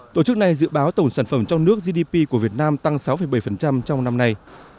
tổ chức này dự báo tổng sản phẩm trong nước gdp của việt nam tăng sáu bảy trong năm nay